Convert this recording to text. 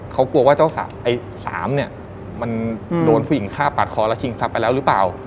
เขากลัวว่าเจ้าไอ้สามเนี่ยมันโดนผู้หญิงฆ่าปาดคอแล้วชิงทรัพย์ไปแล้วหรือเปล่า